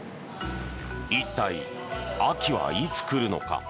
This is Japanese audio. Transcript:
一体、秋はいつ来るのか。